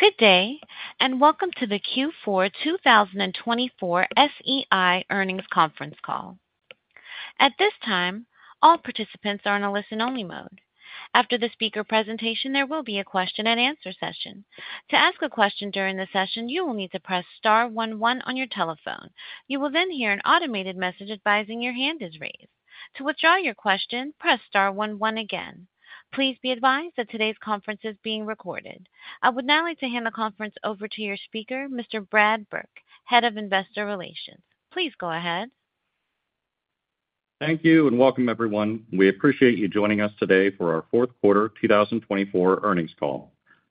Good day, and welcome to the Q4 2024 SEI earnings conference call. At this time, all participants are on a listen-only mode. After the speaker presentation, there will be a question-and-answer session. To ask a question during the session, you will need to press star 11 on your telephone. You will then hear an automated message advising your hand is raised. To withdraw your question, press star 11 again. Please be advised that today's conference is being recorded. I would now like to hand the conference over to your speaker, Mr. Brad Burke, Head of Investor Relations. Please go ahead. Thank you and welcome, everyone. We appreciate you joining us today for our fourth quarter 2024 earnings call.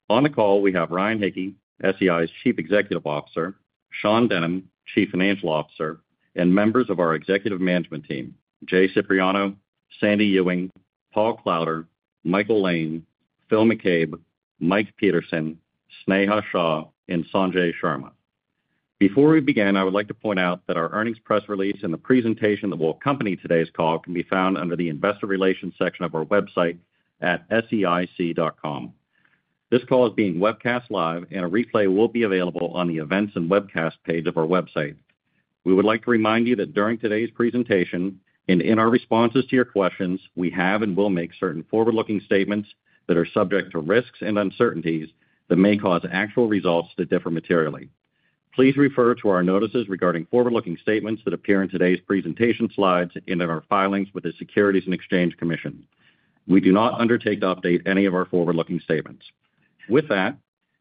On the call, we have Ryan Hicke, SEI's Chief Executive Officer, Sean Denham, Chief Financial Officer, and members of our executive management team: Jay Cipriano, Sandy Ewing, Paul Klauder, Michael Lane, Phil McCabe, Mike Peterson, Sneha Shah, and Sanjay Sharma. Before we begin, I would like to point out that our earnings press release and the presentation that will accompany today's call can be found under the Investor Relations section of our website at seic.com. This call is being webcast live, and a replay will be available on the Events and Webcasts page of our website. We would like to remind you that during today's presentation and in our responses to your questions, we have and will make certain forward-looking statements that are subject to risks and uncertainties that may cause actual results to differ materially. Please refer to our notices regarding forward-looking statements that appear in today's presentation slides and in our filings with the Securities and Exchange Commission. We do not undertake to update any of our forward-looking statements. With that,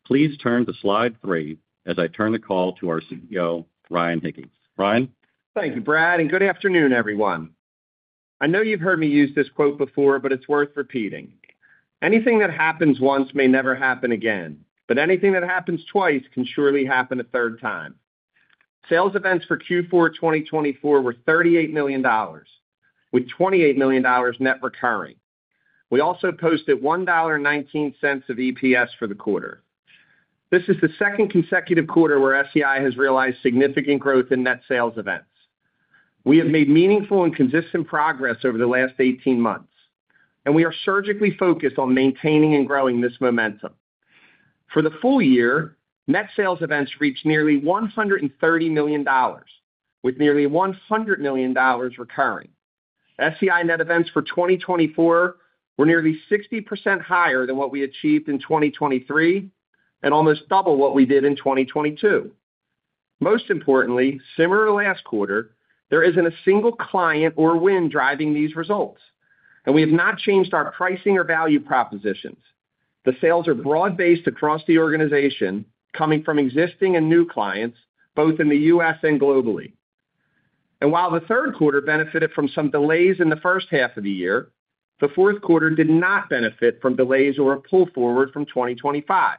please turn to slide three as I turn the call to our CEO, Ryan Hicke. Ryan? Thank you, Brad, and good afternoon, everyone. I know you've heard me use this quote before, but it's worth repeating: "Anything that happens once may never happen again, but anything that happens twice can surely happen a third time." Sales events for Q4 2024 were $38 million, with $28 million net recurring. We also posted $1.19 of EPS for the quarter. This is the second consecutive quarter where SEI has realized significant growth in net sales events. We have made meaningful and consistent progress over the last 18 months, and we are surgically focused on maintaining and growing this momentum. For the full year, net sales events reached nearly $130 million, with nearly $100 million recurring. SEI net events for 2024 were nearly 60% higher than what we achieved in 2023 and almost double what we did in 2022. Most importantly, similar to last quarter, there isn't a single client or win driving these results, and we have not changed our pricing or value propositions. The sales are broad-based across the organization, coming from existing and new clients, both in the U.S. and globally. And while the third quarter benefited from some delays in the first half of the year, the fourth quarter did not benefit from delays or a pull forward from 2025.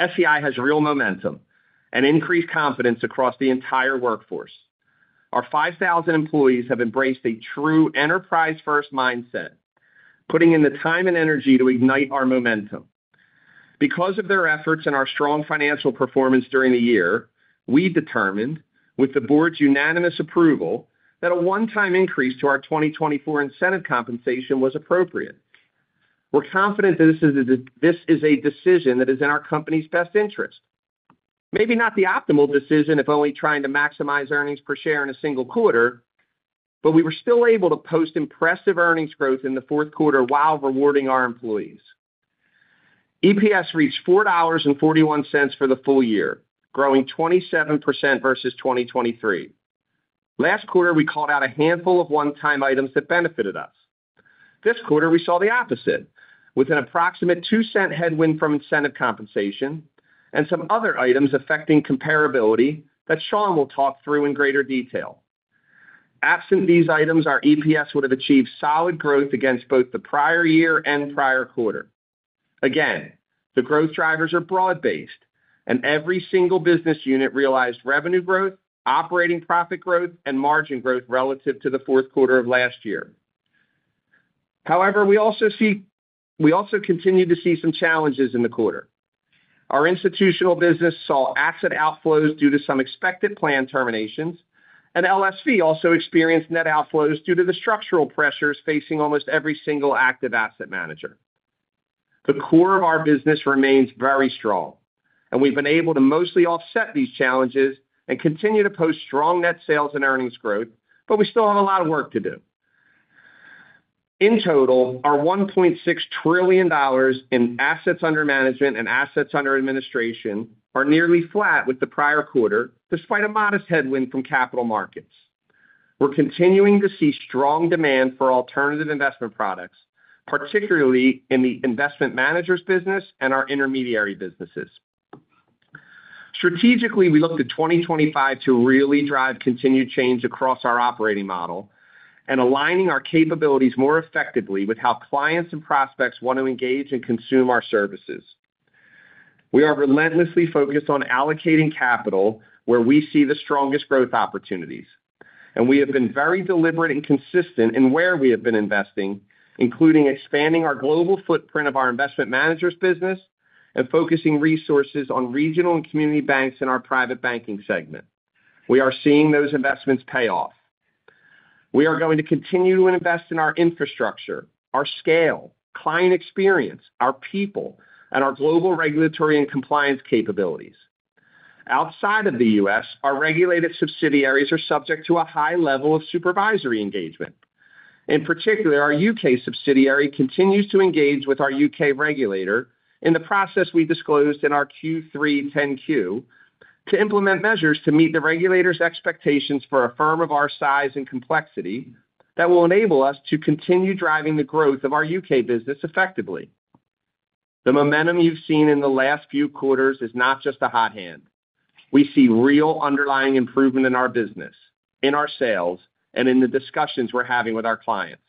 SEI has real momentum and increased confidence across the entire workforce. Our 5,000 employees have embraced a true enterprise-first mindset, putting in the time and energy to ignite our momentum. Because of their efforts and our strong financial performance during the year, we determined, with the board's unanimous approval, that a one-time increase to our 2024 incentive compensation was appropriate. We're confident that this is a decision that is in our company's best interest. Maybe not the optimal decision if only trying to maximize earnings per share in a single quarter, but we were still able to post impressive earnings growth in the fourth quarter while rewarding our employees. EPS reached $4.41 for the full year, growing 27% versus 2023. Last quarter, we called out a handful of one-time items that benefited us. This quarter, we saw the opposite, with an approximate $0.02 headwind from incentive compensation and some other items affecting comparability that Sean will talk through in greater detail. Absent these items, our EPS would have achieved solid growth against both the prior year and prior quarter. Again, the growth drivers are broad-based, and every single business unit realized revenue growth, operating profit growth, and margin growth relative to the fourth quarter of last year. However, we also continue to see some challenges in the quarter. Our institutional business saw asset outflows due to some expected planned terminations, and LSV also experienced net outflows due to the structural pressures facing almost every single active asset manager. The core of our business remains very strong, and we've been able to mostly offset these challenges and continue to post strong net sales and earnings growth, but we still have a lot of work to do. In total, our $1.6 trillion in assets under management and assets under administration are nearly flat with the prior quarter, despite a modest headwind from capital markets. We're continuing to see strong demand for alternative investment products, particularly in the investment managers' business and our intermediary businesses. Strategically, we look to 2025 to really drive continued change across our operating model and aligning our capabilities more effectively with how clients and prospects want to engage and consume our services. We are relentlessly focused on allocating capital where we see the strongest growth opportunities, and we have been very deliberate and consistent in where we have been investing, including expanding our global footprint of our investment managers' business and focusing resources on regional and community banks in our private banking segment. We are seeing those investments pay off. We are going to continue to invest in our infrastructure, our scale, client experience, our people, and our global regulatory and compliance capabilities. Outside of the U.S., our regulated subsidiaries are subject to a high level of supervisory engagement. In particular, our U.K. subsidiary continues to engage with our U.K. regulator in the process we disclosed in our Q3 10-Q to implement measures to meet the regulator's expectations for a firm of our size and complexity that will enable us to continue driving the growth of our U.K. business effectively. The momentum you've seen in the last few quarters is not just a hot hand. We see real underlying improvement in our business, in our sales, and in the discussions we're having with our clients.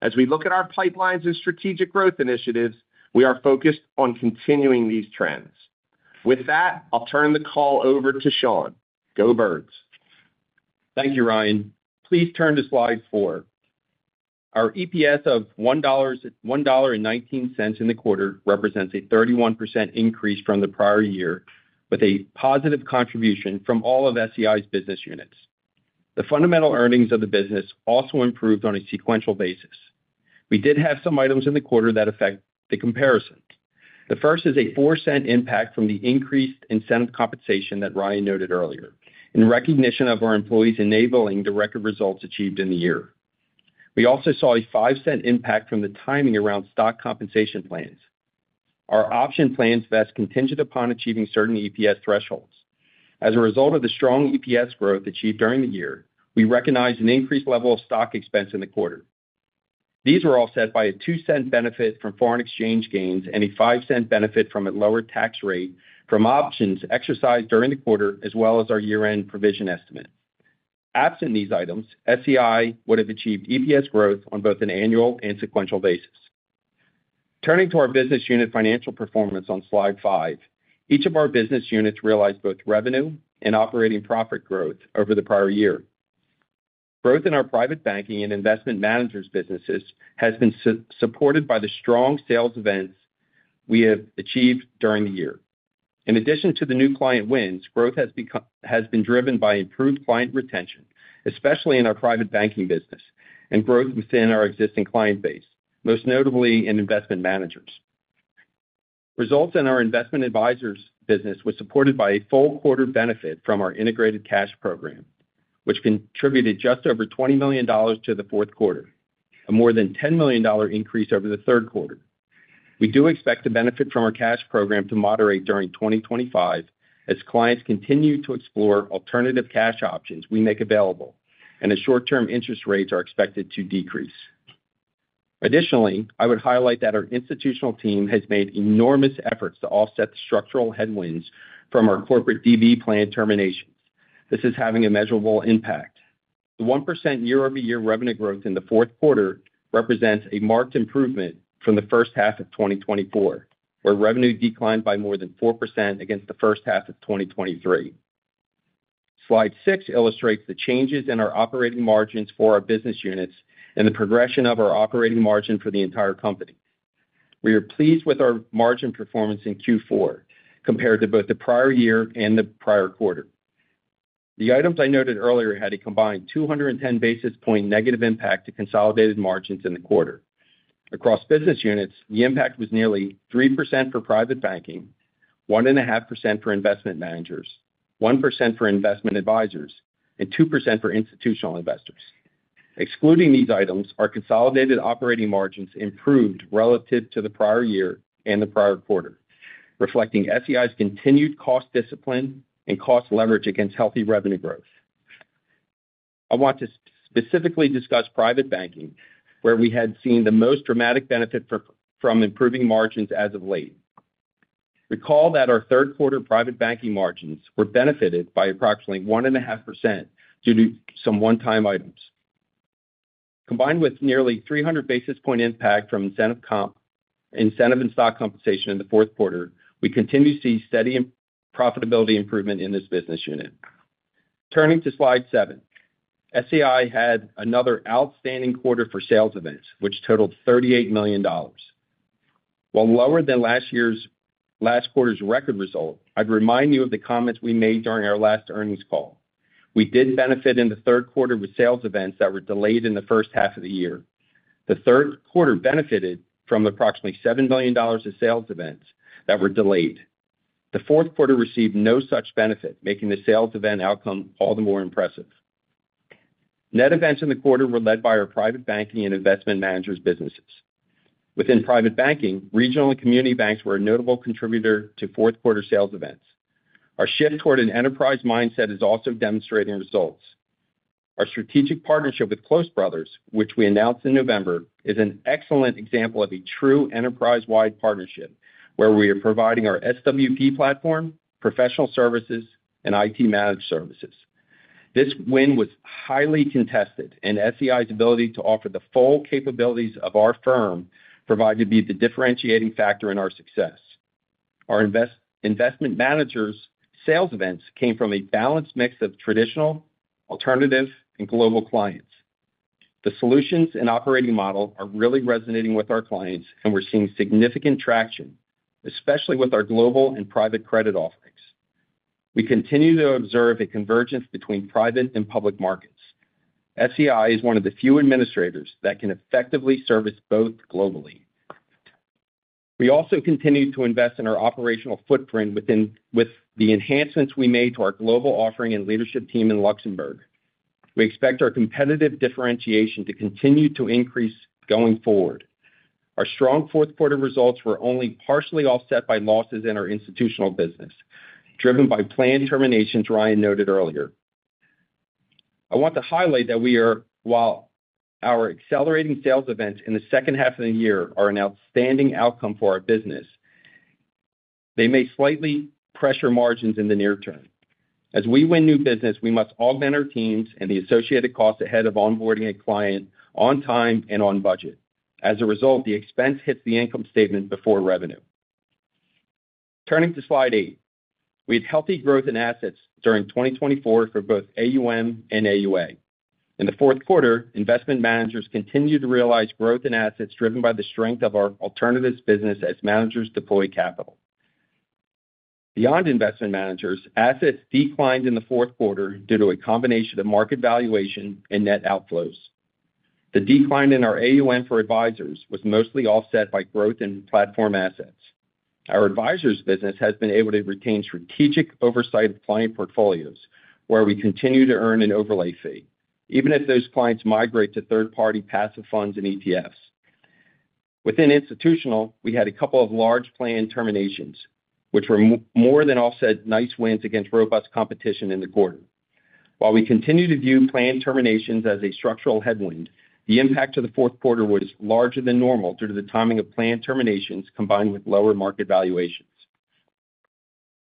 As we look at our pipelines and strategic growth initiatives, we are focused on continuing these trends. With that, I'll turn the call over to Sean. Go Birds. Thank you, Ryan. Please turn to slide four. Our EPS of $1.19 in the quarter represents a 31% increase from the prior year, with a positive contribution from all of SEI's business units. The fundamental earnings of the business also improved on a sequential basis. We did have some items in the quarter that affect the comparison. The first is a $0.04 impact from the increased incentive compensation that Ryan noted earlier, in recognition of our employees enabling the record results achieved in the year. We also saw a $0.05 impact from the timing around stock compensation plans. Our option plans vest contingent upon achieving certain EPS thresholds. As a result of the strong EPS growth achieved during the year, we recognize an increased level of stock expense in the quarter. These were offset by a $0.02 benefit from foreign exchange gains and a $0.05 benefit from a lower tax rate from options exercised during the quarter, as well as our year-end provision estimate. Absent these items, SEI would have achieved EPS growth on both an annual and sequential basis. Turning to our business unit financial performance on slide five, each of our business units realized both revenue and operating profit growth over the prior year. Growth in our private banking and investment managers' businesses has been supported by the strong sales events we have achieved during the year. In addition to the new client wins, growth has been driven by improved client retention, especially in our private banking business, and growth within our existing client base, most notably in investment managers. Results in our investment advisors' business were supported by a full quarter benefit from our Integrated Cash Program, which contributed just over $20 million to the fourth quarter, a more than $10 million increase over the third quarter. We do expect to benefit from our cash program to moderate during 2025, as clients continue to explore alternative cash options we make available, and as short-term interest rates are expected to decrease. Additionally, I would highlight that our institutional team has made enormous efforts to offset the structural headwinds from our corporate DB planned terminations. This is having a measurable impact. The 1% year-over-year revenue growth in the fourth quarter represents a marked improvement from the first half of 2024, where revenue declined by more than 4% against the first half of 2023. Slide six illustrates the changes in our operating margins for our business units and the progression of our operating margin for the entire company. We are pleased with our margin performance in Q4 compared to both the prior year and the prior quarter. The items I noted earlier had a combined 210 basis points negative impact to consolidated margins in the quarter. Across business units, the impact was nearly 3% for private banking, 1.5% for investment managers, 1% for investment advisors, and 2% for institutional investors. Excluding these items, our consolidated operating margins improved relative to the prior year and the prior quarter, reflecting SEI's continued cost discipline and cost leverage against healthy revenue growth. I want to specifically discuss private banking, where we had seen the most dramatic benefit from improving margins as of late. Recall that our third quarter private banking margins were benefited by approximately 1.5% due to some one-time items. Combined with nearly 300 basis points impact from incentive comp and stock compensation in the fourth quarter, we continue to see steady profitability improvement in this business unit. Turning to slide seven, SEI had another outstanding quarter for sales events, which totaled $38 million. While lower than last quarter's record result, I'd remind you of the comments we made during our last earnings call. We did benefit in the third quarter with sales events that were delayed in the first half of the year. The third quarter benefited from approximately $7 million of sales events that were delayed. The fourth quarter received no such benefit, making the sales event outcome all the more impressive. Net events in the quarter were led by our private banking and investment managers' businesses. Within private banking, regional and community banks were a notable contributor to fourth quarter sales events. Our shift toward an enterprise mindset is also demonstrating results. Our strategic partnership with Close Brothers, which we announced in November, is an excellent example of a true enterprise-wide partnership, where we are providing our SWP platform, professional services, and IT managed services. This win was highly contested, and SEI's ability to offer the full capabilities of our firm proved to be the differentiating factor in our success. Our investment managers' sales events came from a balanced mix of traditional, alternative, and global clients. The solutions and operating model are really resonating with our clients, and we're seeing significant traction, especially with our global and private credit offerings. We continue to observe a convergence between private and public markets. SEI is one of the few administrators that can effectively service both globally. We also continue to invest in our operational footprint with the enhancements we made to our global offering and leadership team in Luxembourg. We expect our competitive differentiation to continue to increase going forward. Our strong fourth quarter results were only partially offset by losses in our institutional business, driven by planned terminations, Ryan noted earlier. I want to highlight that while our accelerating sales events in the second half of the year are an outstanding outcome for our business, they may slightly pressure margins in the near term. As we win new business, we must augment our teams and the associated costs ahead of onboarding a client on time and on budget. As a result, the expense hits the income statement before revenue. Turning to slide eight, we had healthy growth in assets during 2024 for both AUM and AUA. In the fourth quarter, investment managers continued to realize growth in assets driven by the strength of our alternatives business as managers deploy capital. Beyond investment managers, assets declined in the fourth quarter due to a combination of market valuation and net outflows. The decline in our AUM for advisors was mostly offset by growth in platform assets. Our advisors' business has been able to retain strategic oversight of client portfolios, where we continue to earn an overlay fee, even if those clients migrate to third-party passive funds and ETFs. Within institutional, we had a couple of large planned terminations, which were more than offset by nice wins against robust competition in the quarter. While we continue to view planned terminations as a structural headwind, the impact of the fourth quarter was larger than normal due to the timing of planned terminations combined with lower market valuations.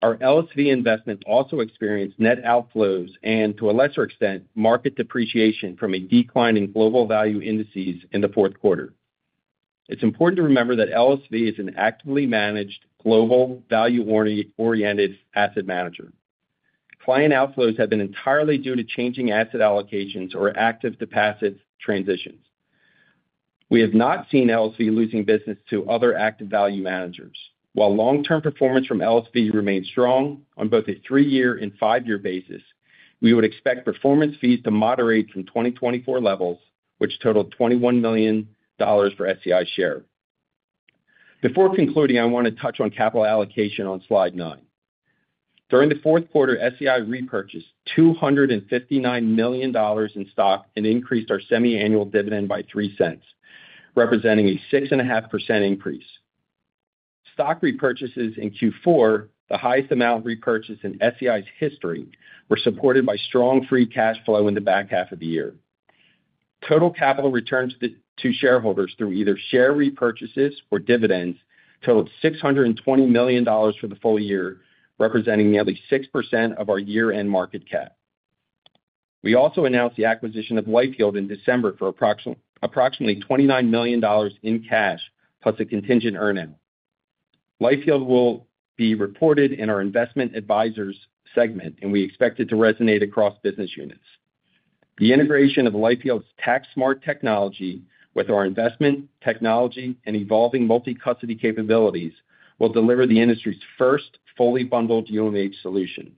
Our LSV investments also experienced net outflows and, to a lesser extent, market depreciation from a decline in global value indices in the fourth quarter. It's important to remember that LSV is an actively managed global value-oriented asset manager. Client outflows have been entirely due to changing asset allocations or active to passive transitions. We have not seen LSV losing business to other active value managers. While long-term performance from LSV remains strong on both a three-year and five-year basis, we would expect performance fees to moderate from 2024 levels, which totaled $21 million for SEI's share. Before concluding, I want to touch on capital allocation on slide nine. During the fourth quarter, SEI repurchased $259 million in stock and increased our semi-annual dividend by 3 cents, representing a 6.5% increase. Stock repurchases in Q4, the highest amount repurchased in SEI's history, were supported by strong free cash flow in the back half of the year. Total capital returns to shareholders through either share repurchases or dividends totaled $620 million for the full year, representing nearly 6% of our year-end market cap. We also announced the acquisition of LifeYield in December for approximately $29 million in cash, plus a contingent earnout. LifeYield will be reported in our investment advisors segment, and we expect it to resonate across business units. The integration of LifeYield's TaxSmart technology with our investment technology and evolving multi-custody capabilities will deliver the industry's first fully bundled UMH solution.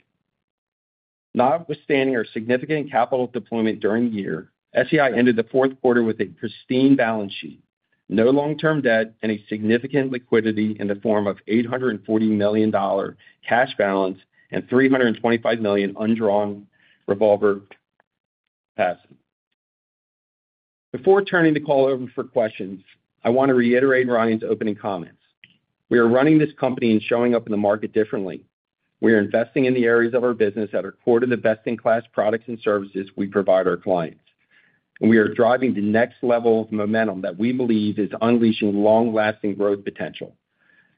Notwithstanding our significant capital deployment during the year, SEI ended the fourth quarter with a pristine balance sheet, no long-term debt, and a significant liquidity in the form of $840 million cash balance and $325 million undrawn revolver capacity. Before turning the call over for questions, I want to reiterate Ryan's opening comments. We are running this company and showing up in the market differently. We are investing in the areas of our business that are core to the best-in-class products and services we provide our clients. We are driving the next level of momentum that we believe is unleashing long-lasting growth potential.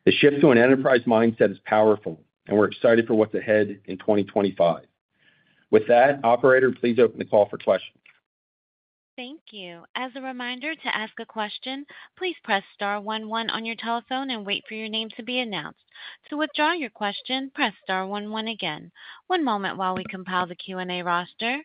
The shift to an enterprise mindset is powerful, and we're excited for what's ahead in 2025. With that, operator, please open the call for questions. Thank you. As a reminder, to ask a question, please press star 11 on your telephone and wait for your name to be announced. To withdraw your question, press star 11 again. One moment while we compile the Q&A roster,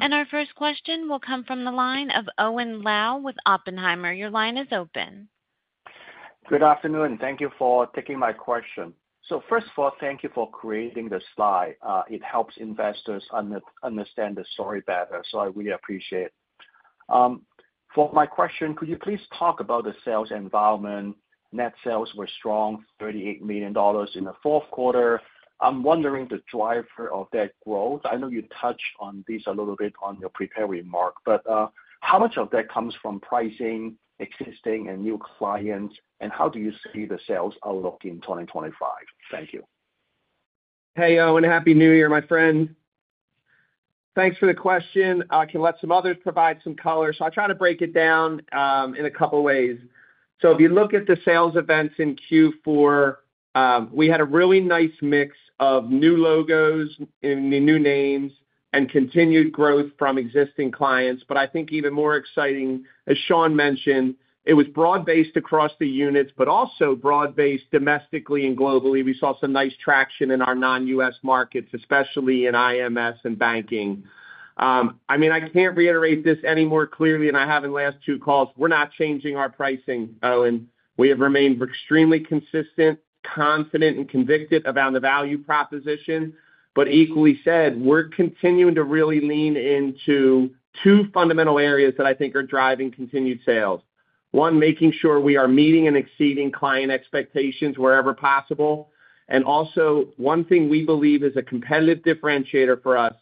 and our first question will come from the line of Owen Lau with Oppenheimer. Your line is open. Good afternoon. Thank you for taking my question. So first of all, thank you for creating the slide. It helps investors understand the story better, so I really appreciate it. For my question, could you please talk about the sales environment? Net sales were strong, $38 million in the fourth quarter. I'm wondering the driver of that growth. I know you touched on this a little bit on your prepared remark, but how much of that comes from pricing, existing, and new clients, and how do you see the sales outlook in 2025? Thank you. Hey, Owen, happy New Year, my friend. Thanks for the question. I can let some others provide some color, so I'll try to break it down in a couple of ways. So if you look at the sales events in Q4, we had a really nice mix of new logos and new names and continued growth from existing clients. But I think even more exciting, as Sean mentioned, it was broad-based across the units, but also broad-based domestically and globally. We saw some nice traction in our non-U.S. markets, especially in IMS and banking. I mean, I can't reiterate this any more clearly than I have in the last two calls. We're not changing our pricing, Owen. We have remained extremely consistent, confident, and convicted around the value proposition. But equally said, we're continuing to really lean into two fundamental areas that I think are driving continued sales. One, making sure we are meeting and exceeding client expectations wherever possible. And also, one thing we believe is a competitive differentiator for us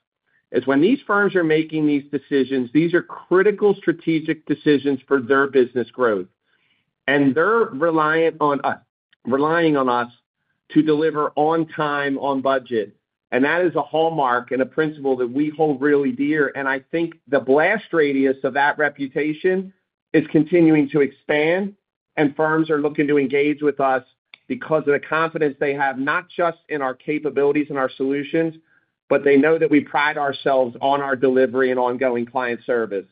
is when these firms are making these decisions, these are critical strategic decisions for their business growth. And they're relying on us to deliver on time, on budget. And that is a hallmark and a principle that we hold really dear. And I think the blast radius of that reputation is continuing to expand, and firms are looking to engage with us because of the confidence they have, not just in our capabilities and our solutions, but they know that we pride ourselves on our delivery and ongoing client service.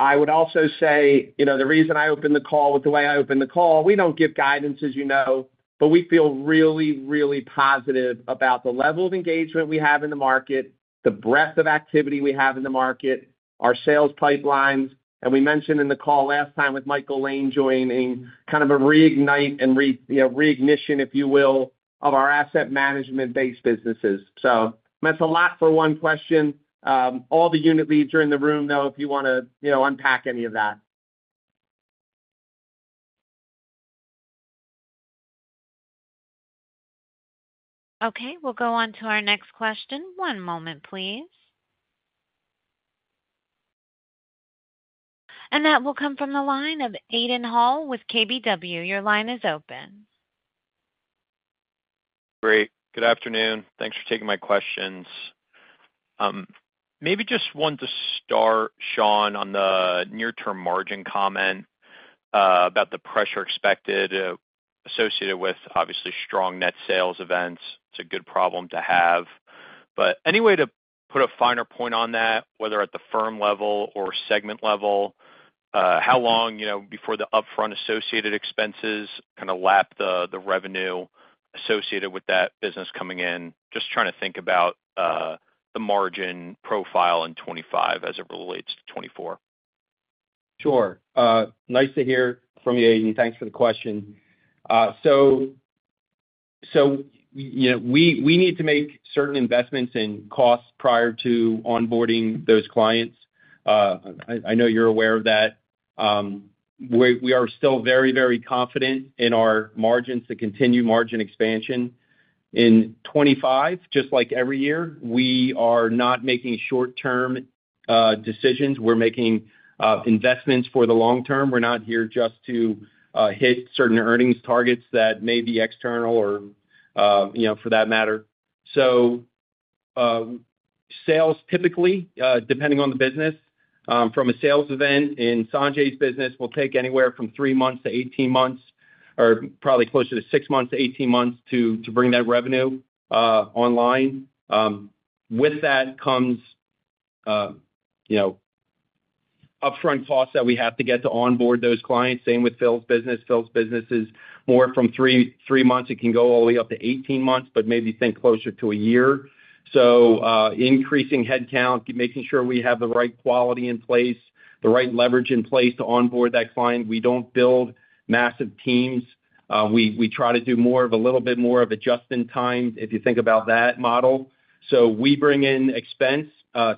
I would also say the reason I opened the call with the way I opened the call, we don't give guidance, as you know, but we feel really, really positive about the level of engagement we have in the market, the breadth of activity we have in the market, our sales pipelines, and we mentioned in the call last time with Michael Lane joining, kind of a reignite and reignition, if you will, of our asset management-based businesses, so that's a lot for one question. All the unit leads are in the room, though, if you want to unpack any of that. Okay. We'll go on to our next question. One moment, please. And that will come from the line of Aiden Hall with KBW. Your line is open. Great. Good afternoon. Thanks for taking my questions. Maybe just one to start, Sean, on the near-term margin comment about the pressure expected associated with, obviously, strong net sales events. It's a good problem to have. But any way to put a finer point on that, whether at the firm level or segment level, how long before the upfront associated expenses kind of lap the revenue associated with that business coming in? Just trying to think about the margin profile in 2025 as it relates to 2024. Sure. Nice to hear from you, Aiden. Thanks for the question. So we need to make certain investments in costs prior to onboarding those clients. I know you're aware of that. We are still very, very confident in our margins, the continued margin expansion. In 2025, just like every year, we are not making short-term decisions. We're making investments for the long term. We're not here just to hit certain earnings targets that may be external or for that matter. So sales, typically, depending on the business, from a sales event in Sanjay's business, will take anywhere from three months to 18 months, or probably closer to six months to 18 months to bring that revenue online. With that comes upfront costs that we have to get to onboard those clients. Same with Phil's business. Phil's business is more from three months. It can go all the way up to 18 months, but maybe think closer to a year. So increasing headcount, making sure we have the right quality in place, the right leverage in place to onboard that client. We don't build massive teams. We try to do more of a little bit more of just-in-time, if you think about that model. So we bring in expense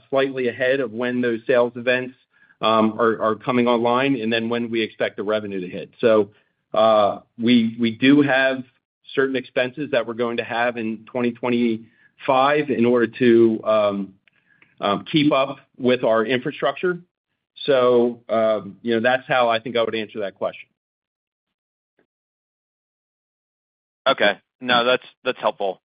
slightly ahead of when those sales events are coming online and then when we expect the revenue to hit. So we do have certain expenses that we're going to have in 2025 in order to keep up with our infrastructure. So that's how I think I would answer that question. Okay. No, that's helpful.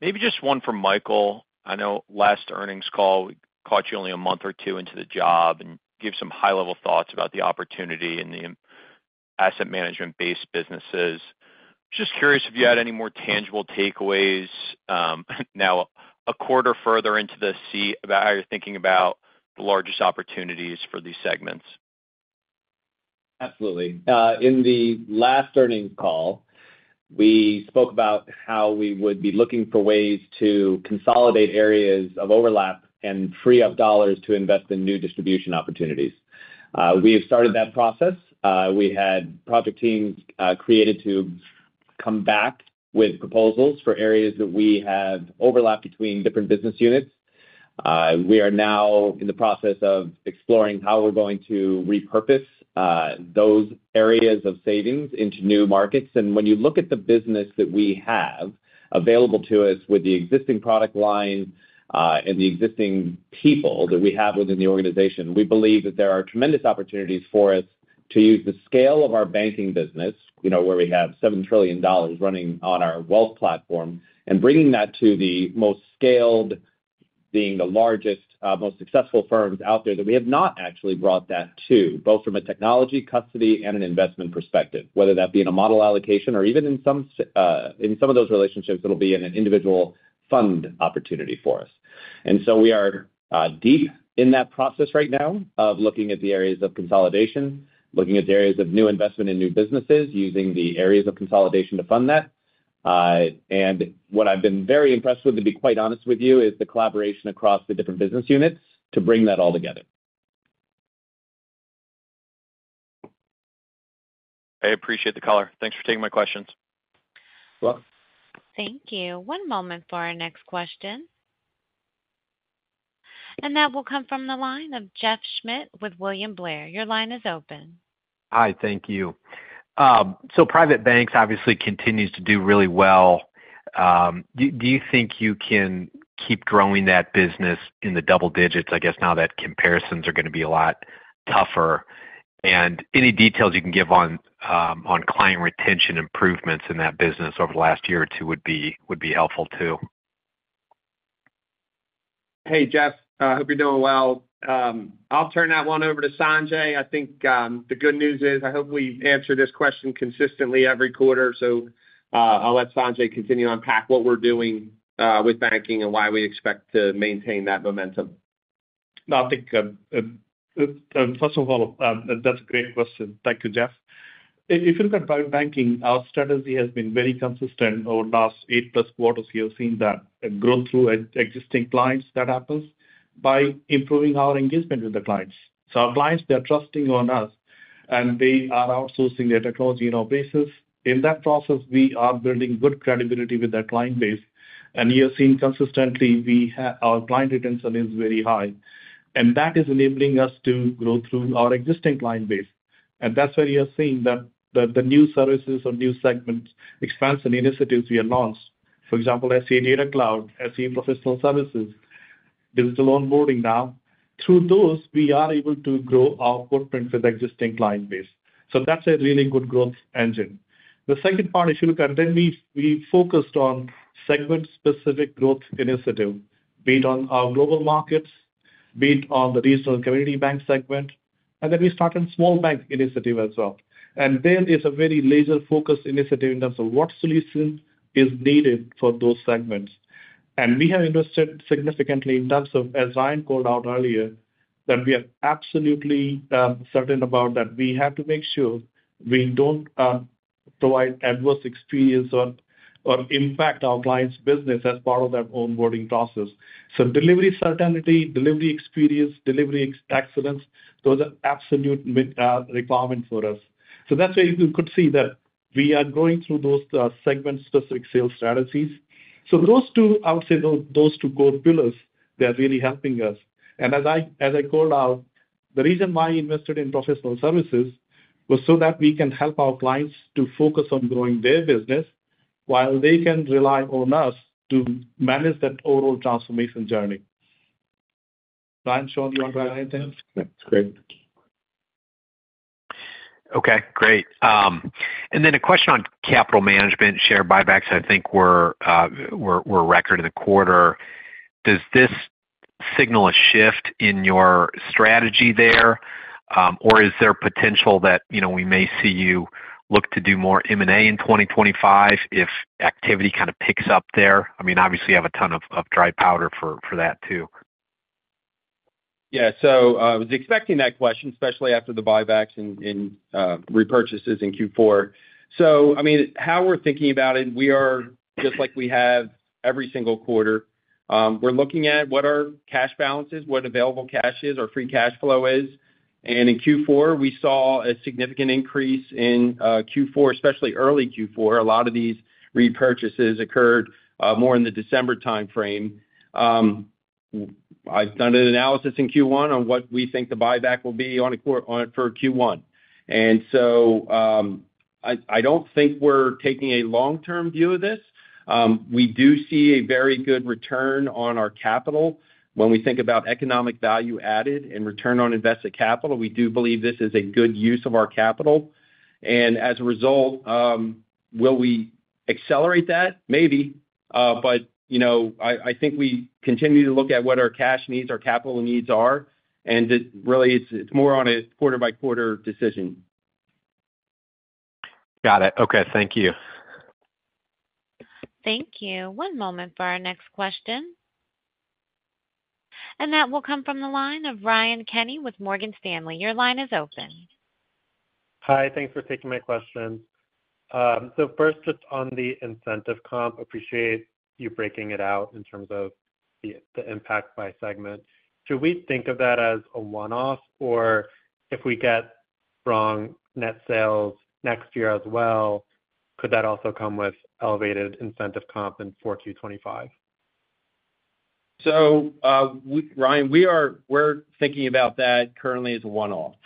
Maybe just one from Michael. I know last earnings call, we caught you only a month or two into the job and gave some high-level thoughts about the opportunity in the asset management-based businesses. Just curious if you had any more tangible takeaways now a quarter further into the SEI about how you're thinking about the largest opportunities for these segments. Absolutely. In the last earnings call, we spoke about how we would be looking for ways to consolidate areas of overlap and free up dollars to invest in new distribution opportunities. We have started that process. We had project teams created to come back with proposals for areas that we have overlap between different business units. We are now in the process of exploring how we're going to repurpose those areas of savings into new markets. And when you look at the business that we have available to us with the existing product line and the existing people that we have within the organization, we believe that there are tremendous opportunities for us to use the scale of our banking business, where we have $7 trillion running on our wealth platform, and bringing that to the most scaled, being the largest, most successful firms out there that we have not actually brought that to, both from a technology, custody, and an investment perspective, whether that be in a model allocation or even in some of those relationships that will be in an individual fund opportunity for us. And so we are deep in that process right now of looking at the areas of consolidation, looking at the areas of new investment in new businesses, using the areas of consolidation to fund that. What I've been very impressed with, to be quite honest with you, is the collaboration across the different business units to bring that all together. I appreciate the color. Thanks for taking my questions. You're welcome. Thank you. One moment for our next question. And that will come from the line of Jeff Schmitt with William Blair. Your line is open. Hi, thank you. So private banks obviously continue to do really well. Do you think you can keep growing that business in the double digits? I guess now that comparisons are going to be a lot tougher. And any details you can give on client retention improvements in that business over the last year or two would be helpful too. Hey, Jeff. I hope you're doing well. I'll turn that one over to Sanjay. I think the good news is I hope we answer this question consistently every quarter. So I'll let Sanjay continue to unpack what we're doing with banking and why we expect to maintain that momentum. No, I think first of all, that's a great question. Thank you, Jeff. If you look at private banking, our strategy has been very consistent over the last eight plus quarters. You've seen that growth through existing clients. That happens by improving our engagement with the clients. So our clients, they're trusting on us, and they are outsourcing their technology in our basis. In that process, we are building good credibility with that client base, and you've seen consistently, our client retention is very high, and that is enabling us to grow through our existing client base, and that's where you're seeing that the new services or new segments, expansion initiatives we have launched, for example, SEI Data Cloud, SEI Professional Services, digital onboarding now. Through those, we are able to grow our footprint with existing client base, so that's a really good growth engine. The second part, if you look at it, then we focused on segment-specific growth initiative, be it on our global markets, be it on the regional community bank segment. And then we started small bank initiative as well. And there is a very laser-focused initiative in terms of what solution is needed for those segments. And we have invested significantly in terms of, as Ryan called out earlier, that we are absolutely certain about that we have to make sure we don't provide adverse experience or impact our client's business as part of that onboarding process. So delivery certainty, delivery experience, delivery excellence, those are absolute requirements for us. So that's where you could see that we are going through those segment-specific sales strategies. So those two, I would say those two core pillars, they're really helping us. As I called out, the reason why we invested in professional services was so that we can help our clients to focus on growing their business while they can rely on us to manage that overall transformation journey. Ryan, Sean, do you want to add anything? That's great. Okay. Great. And then a question on capital management, share buybacks. I think we set a record for the quarter. Does this signal a shift in your strategy there, or is there potential that we may see you look to do more M&A in 2025 if activity kind of picks up there? I mean, obviously, you have a ton of dry powder for that too. Yeah. So I was expecting that question, especially after the buybacks and repurchases in Q4. So I mean, how we're thinking about it, we are just like we have every single quarter. We're looking at what our cash balance is, what available cash is, our free cash flow is. And in Q4, we saw a significant increase in Q4, especially early Q4. A lot of these repurchases occurred more in the December timeframe. I've done an analysis in Q1 on what we think the buyback will be for Q1. And so I don't think we're taking a long-term view of this. We do see a very good return on our capital. When we think about Economic Value Added and Return on Invested Capital, we do believe this is a good use of our capital. And as a result, will we accelerate that? Maybe. But I think we continue to look at what our cash needs, our capital needs are. And really, it's more on a quarter-by-quarter decision. Got it. Okay. Thank you. Thank you. One moment for our next question. That will come from the line of Ryan Kenny with Morgan Stanley. Your line is open. Hi. Thanks for taking my question. So first, just on the incentive comp, appreciate you breaking it out in terms of the impact by segment. Should we think of that as a one-off, or if we get strong net sales next year as well, could that also come with elevated incentive comp in Q425? So Ryan, we're thinking about that currently as a one-off.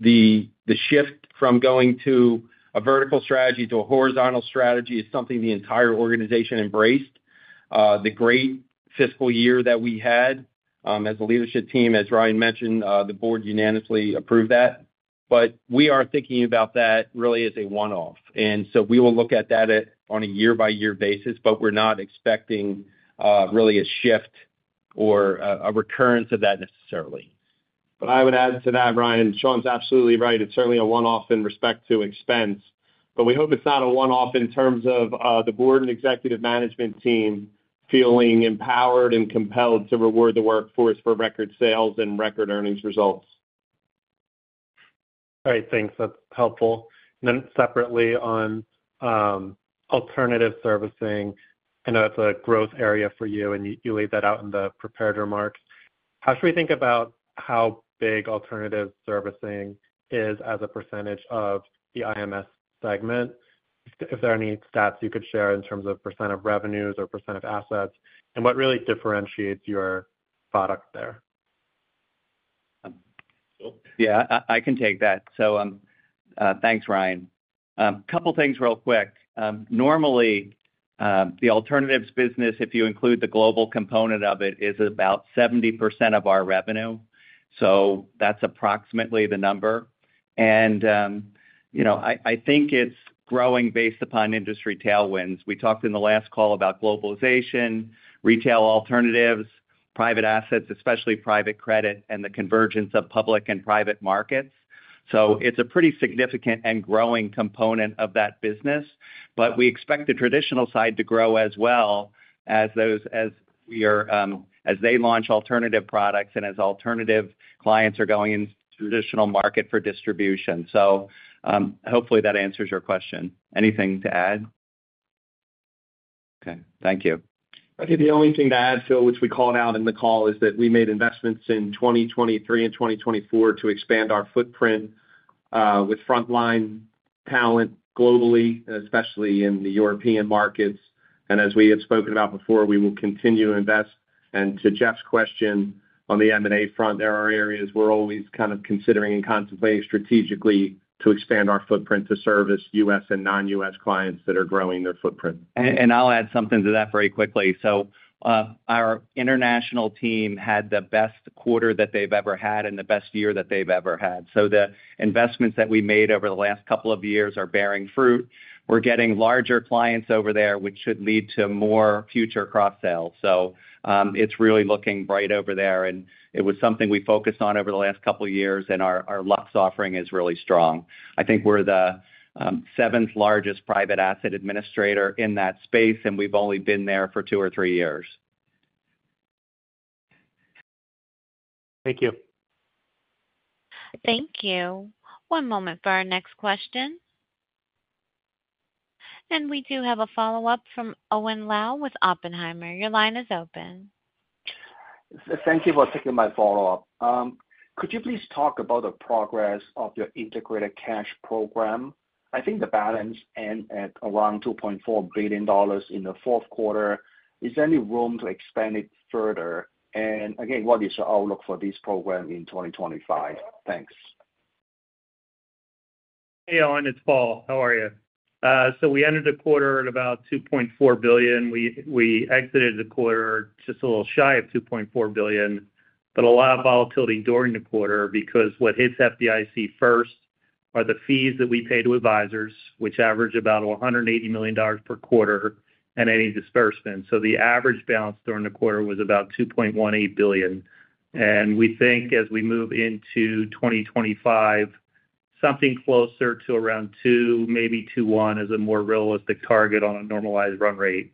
The shift from going to a vertical strategy to a horizontal strategy is something the entire organization embraced. The great fiscal year that we had as a leadership team, as Ryan mentioned, the board unanimously approved that. But we are thinking about that really as a one-off. And so we will look at that on a year-by-year basis, but we're not expecting really a shift or a recurrence of that necessarily. But I would add to that, Ryan. Sean's absolutely right. It's certainly a one-off in respect to expense. But we hope it's not a one-off in terms of the board and executive management team feeling empowered and compelled to reward the workforce for record sales and record earnings results. All right. Thanks. That's helpful. And then separately on alternative servicing, I know that's a growth area for you, and you laid that out in the prepared remarks. How should we think about how big alternative servicing is as a percentage of the IMS segment? If there are any stats you could share in terms of % of revenues or % of assets, and what really differentiates your product there? Yeah. I can take that. So thanks, Ryan. A couple of things real quick. Normally, the alternatives business, if you include the global component of it, is about 70% of our revenue. So that's approximately the number. And I think it's growing based upon industry tailwinds. We talked in the last call about globalization, retail alternatives, private assets, especially private credit, and the convergence of public and private markets. So it's a pretty significant and growing component of that business. But we expect the traditional side to grow as well as they launch alternative products and as alternative clients are going into the traditional market for distribution. So hopefully that answers your question. Anything to add? Okay. Thank you. I think the only thing to add, Phil, which we called out in the call, is that we made investments in 2023 and 2024 to expand our footprint with frontline talent globally, especially in the European markets, and as we have spoken about before, we will continue to invest, and to Jeff's question on the M&A front, there are areas we're always kind of considering and contemplating strategically to expand our footprint to service U.S. and non-U.S. clients that are growing their footprint. I'll add something to that very quickly. Our international team had the best quarter that they've ever had and the best year that they've ever had. The investments that we made over the last couple of years are bearing fruit. We're getting larger clients over there, which should lead to more future cross-sales. It's really looking bright over there. It was something we focused on over the last couple of years, and our Lux offering is really strong. I think we're the seventh largest private asset administrator in that space, and we've only been there for two or three years. Thank you. Thank you. One moment for our next question. And we do have a follow-up from Owen Lau with Oppenheimer. Your line is open. Thank you for taking my follow-up. Could you please talk about the progress of your integrated cash program? I think the balance ended at around $2.4 billion in the fourth quarter. Is there any room to expand it further? And again, what is your outlook for this program in 2025? Thanks. Hey, Owen Lau. It's Paul Klauder. How are you? So we ended the quarter at about $2.4 billion. We exited the quarter just a little shy of $2.4 billion, but a lot of volatility during the quarter because what hits FDIC first are the fees that we pay to advisors, which average about $180 million per quarter, and any disbursement. So the average balance during the quarter was about $2.18 billion. And we think as we move into 2025, something closer to around $2, maybe $2.1 as a more realistic target on a normalized run rate.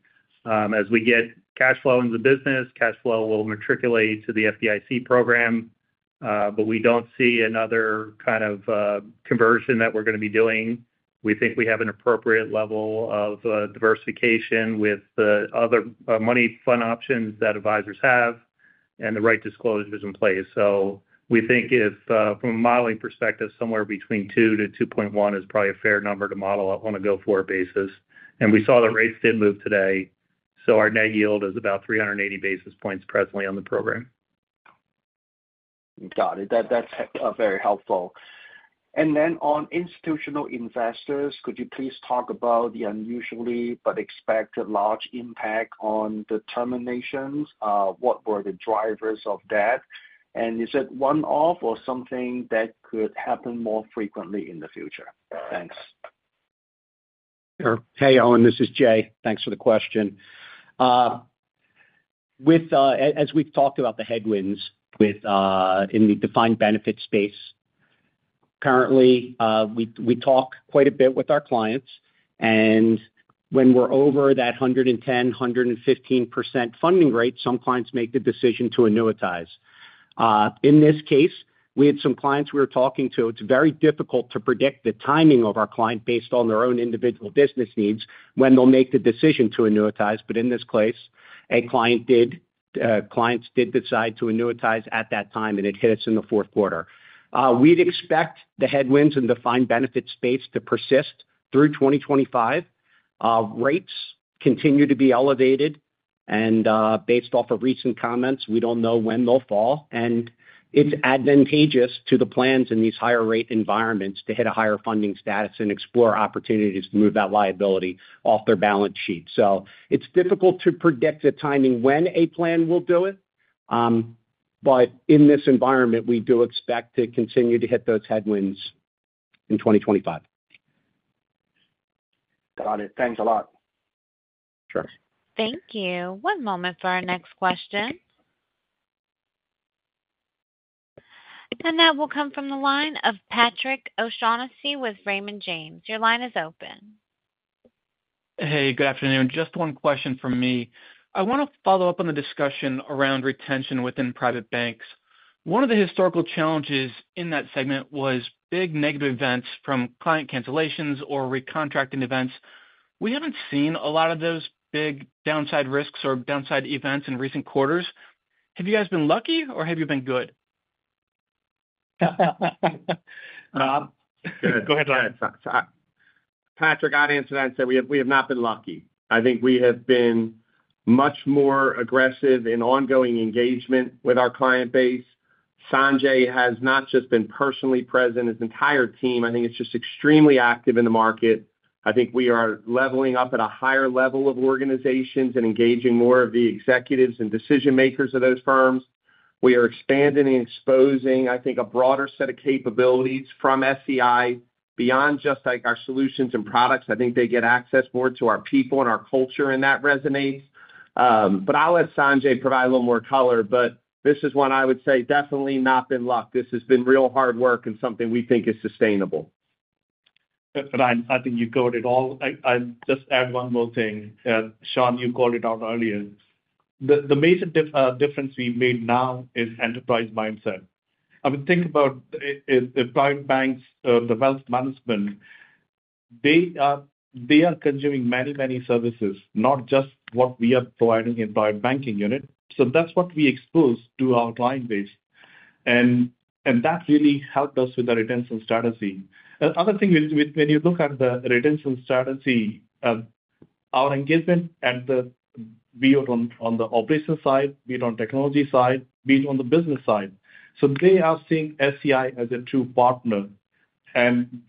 As we get cash flow into the business, cash flow will migrate to the FDIC program, but we don't see another kind of conversion that we're going to be doing. We think we have an appropriate level of diversification with the other money fund options that advisors have and the right disclosures in place. We think if from a modeling perspective, somewhere between $2-$2.1 is probably a fair number to model on a go-forward basis. We saw the rates did move today. Our net yield is about 380 basis points presently on the program. Got it. That's very helpful. And then on institutional investors, could you please talk about the unusually but expected large impact on the terminations? What were the drivers of that? And is it one-off or something that could happen more frequently in the future? Thanks. Sure. Hey, Owen. This is Jay. Thanks for the question. As we've talked about the headwinds in the defined benefit space, currently, we talk quite a bit with our clients, and when we're over that 110%-115% funding rate, some clients make the decision to annuitize. In this case, we had some clients we were talking to. It's very difficult to predict the timing of our client based on their own individual business needs when they'll make the decision to annuitize. But in this case, clients did decide to annuitize at that time, and it hit us in the fourth quarter. We'd expect the headwinds in the defined benefit space to persist through 2025. Rates continue to be elevated, and based off of recent comments, we don't know when they'll fall. And it's advantageous to the plans in these higher-rate environments to hit a higher funding status and explore opportunities to move that liability off their balance sheet. So it's difficult to predict the timing when a plan will do it. But in this environment, we do expect to continue to hit those headwinds in 2025. Got it. Thanks a lot. Sure. Thank you. One moment for our next question. And that will come from the line of Patrick O'Shaughnessy with Raymond James. Your line is open. Hey, good afternoon. Just one question from me. I want to follow up on the discussion around retention within private banks. One of the historical challenges in that segment was big negative events from client cancellations or recontracting events. We haven't seen a lot of those big downside risks or downside events in recent quarters. Have you guys been lucky, or have you been good? Go ahead, Ryan. Patrick, I'd answer that and say we have not been lucky. I think we have been much more aggressive in ongoing engagement with our client base. Sanjay has not just been personally present. His entire team, I think, is just extremely active in the market. I think we are leveling up at a higher level of organizations and engaging more of the executives and decision-makers of those firms. We are expanding and exposing, I think, a broader set of capabilities from SEI beyond just our solutions and products. I think they get access more to our people and our culture, and that resonates. But I'll let Sanjay provide a little more color. But this is one, I would say, definitely not been lucky. This has been real hard work and something we think is sustainable. Ryan, I think you covered it all. I'll just add one more thing. Sean, you called it out earlier. The major difference we made now is enterprise mindset. I mean, think about investment banks, the wealth management. They are consuming many, many services, not just what we are providing in private banking unit. So that's what we expose to our client base. And that really helped us with the retention strategy. Another thing, when you look at the retention strategy, our engagement at the backend on the operation side, backend on technology side, backend on the business side. So they are seeing SEI as a true partner. And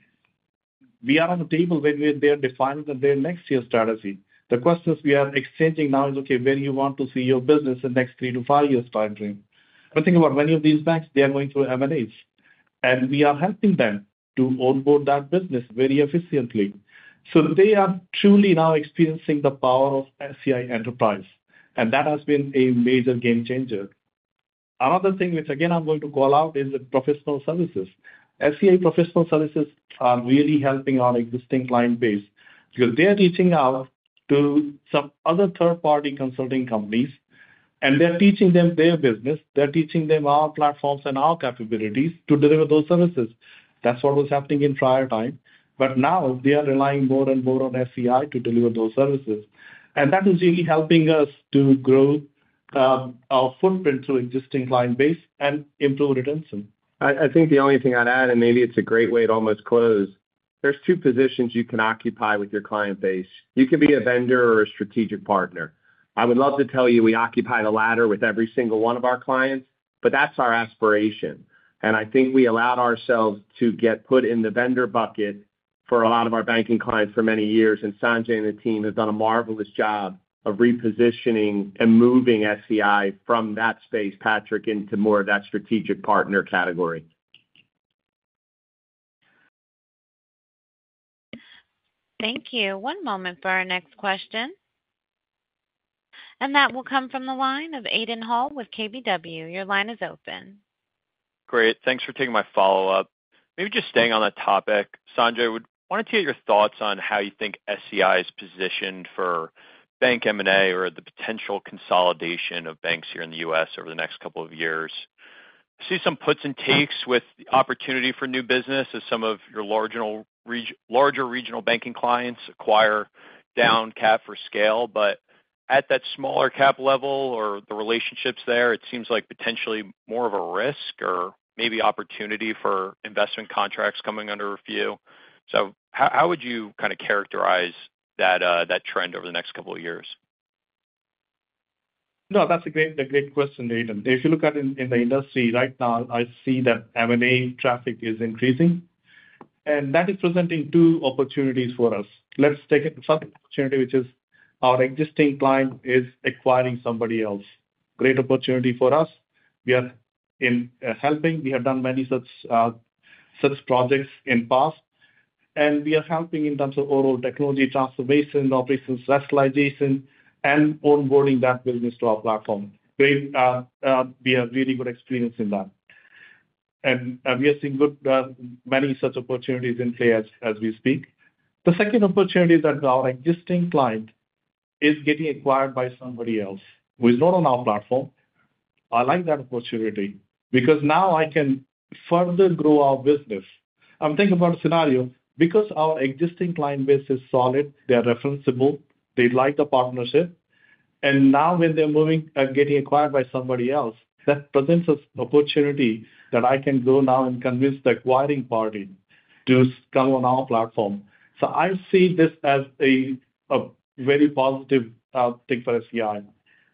we are on the table where they are defining their next year's strategy. The questions we are exchanging now is, okay, where do you want to see your business in the next three to five years' time frame? But think about many of these banks. They are going through M&As. And we are helping them to onboard that business very efficiently. So they are truly now experiencing the power of SEI enterprise. And that has been a major game changer. Another thing, which again, I'm going to call out, is the professional services. SEI Professional Services are really helping our existing client base because they are reaching out to some other third-party consulting companies, and they're teaching them their business. They're teaching them our platforms and our capabilities to deliver those services. That's what was happening in prior time. But now they are relying more and more on SEI to deliver those services. And that is really helping us to grow our footprint through existing client base and improve retention. I think the only thing I'd add, and maybe it's a great way to almost close. There's two positions you can occupy with your client base. You can be a vendor or a strategic partner. I would love to tell you we occupy the latter with every single one of our clients, but that's our aspiration. And I think we allowed ourselves to get put in the vendor bucket for a lot of our banking clients for many years. And Sanjay and the team have done a marvelous job of repositioning and moving SEI from that space, Patrick, into more of that strategic partner category. Thank you. One moment for our next question, and that will come from the line of Aiden Hall with KBW. Your line is open. Great. Thanks for taking my follow-up. Maybe just staying on the topic, Sanjay, I wanted to get your thoughts on how you think SEI is positioned for bank M&A or the potential consolidation of banks here in the U.S. over the next couple of years. I see some puts and takes with the opportunity for new business as some of your larger regional banking clients acquire down cap for scale. But at that smaller cap level or the relationships there, it seems like potentially more of a risk or maybe opportunity for investment contracts coming under review. So how would you kind of characterize that trend over the next couple of years? No, that's a great question, Aiden. If you look at it in the industry right now, I see that M&A traffic is increasing. And that is presenting two opportunities for us. Let's take it from the opportunity, which is our existing client is acquiring somebody else. Great opportunity for us. We are helping. We have done many such projects in the past. And we are helping in terms of overall technology transformation, operations specialization, and onboarding that business to our platform. We have really good experience in that. And we have seen many such opportunities in play as we speak. The second opportunity is that our existing client is getting acquired by somebody else who is not on our platform. I like that opportunity because now I can further grow our business. I'm thinking about a scenario because our existing client base is solid. They're referenceable. They like the partnership. And now when they're getting acquired by somebody else, that presents an opportunity that I can go now and convince the acquiring party to come on our platform. So I see this as a very positive thing for SEI.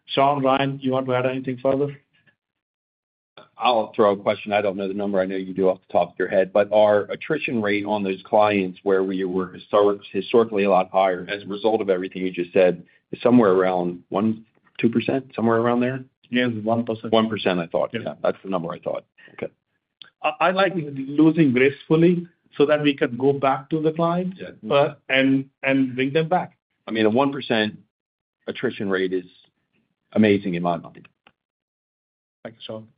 Sean, Ryan, you want to add anything further? I'll throw a question. I don't know the number. I know you do off the top of your head. But our attrition rate on those clients where we were historically a lot higher as a result of everything you just said is somewhere around 1%-2%, somewhere around there? Yes, 1%. 1%, I thought. Yeah. That's the number I thought. Okay. I like losing gracefully so that we can go back to the client and bring them back. I mean, a 1% attrition rate is amazing in my mind. Thank you, Sean.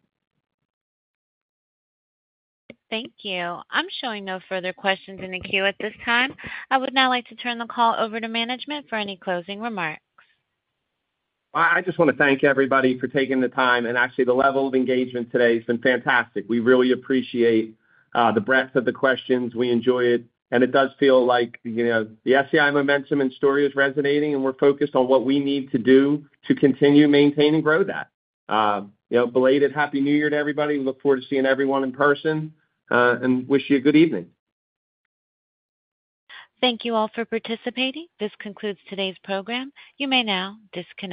Thank you. I'm showing no further questions in the queue at this time. I would now like to turn the call over to management for any closing remarks. I just want to thank everybody for taking the time, and actually, the level of engagement today has been fantastic. We really appreciate the breadth of the questions. We enjoy it, and it does feel like the SEI momentum and story is resonating, and we're focused on what we need to do to continue maintaining growth at. Belated Happy New Year to everybody. We look forward to seeing everyone in person and wish you a good evening. Thank you all for participating. This concludes today's program. You may now disconnect.